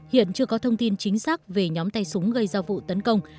hiện chưa có thông tin chính xác về nhóm tay súng gây ra vụ tấn công